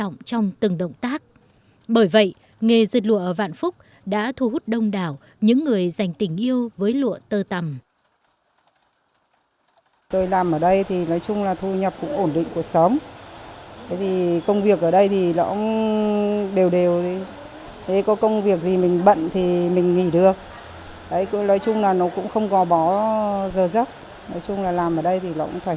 nói chung là làm ở đây thì nó cũng thoải mái